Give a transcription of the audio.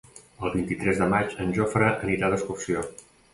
El vint-i-tres de maig en Jofre anirà d'excursió.